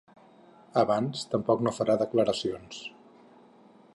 Abans tampoc no farà declaracions.